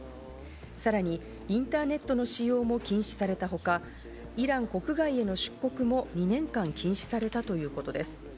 さらにインターネットの使用も禁止されたほか、イラン国外への出国も２年間禁止されたということです。